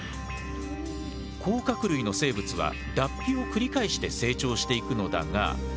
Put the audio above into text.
甲殻類の生物は脱皮を繰り返して成長していくのだが。